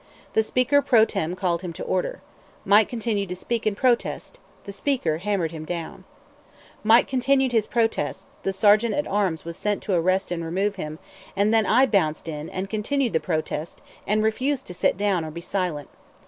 The Speaker pro tem called him to order. Mike continued to speak and protest; the Speaker hammered him down; Mike continued his protests; the sergeant at arms was sent to arrest and remove him; and then I bounced in, and continued the protest, and refused to sit down or be silent.